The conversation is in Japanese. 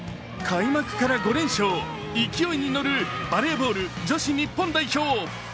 開幕から５連勝、勢いに乗るバレーボール女子日本代表。